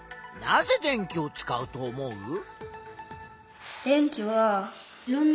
なぜ電気を使うと思う？